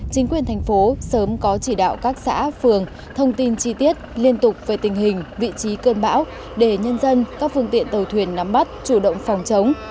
chính quyền thành phố sớm có chỉ đạo các xã phường thông tin chi tiết liên tục về tình hình vị trí cơn bão để nhân dân các phương tiện tàu thuyền nắm bắt chủ động phòng chống